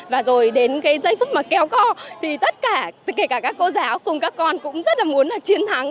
và rồi đến cái giây phút mà kéo co thì tất cả kể cả các cô giáo cùng các con cũng rất là muốn là chiến thắng